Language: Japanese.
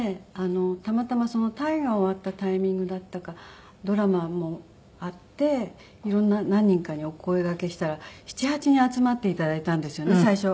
たまたま大河終わったタイミングだったかドラマもあって色んな何人かにお声がけしたら７８人集まって頂いたんですよね最初。